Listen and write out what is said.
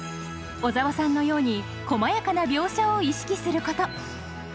小沢さんのように細やかな描写を意識すること。